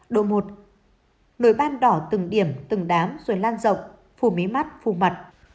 độ một nồi ban đỏ từng điểm từng đám rồi lan rộng phù mỹ mắt phù mặt